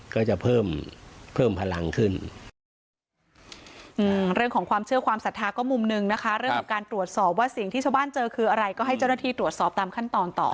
ก็จะเพิ่มพลังขึ้น